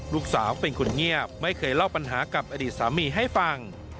ลูกสาวเป็นคนเงียบไม่เคยเล่าปัญหากับอดีตสามีให้ฟัง